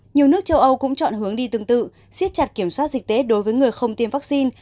nhiều nước châu âu cũng chọn hướng đi tương tự xiết chặt kiểm soát dịch tết đối với người không tiêm vaccine